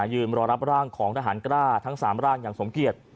ยืนรอรับร่างของทหารกล้าทั้ง๓ร่างอย่างสมเกียจ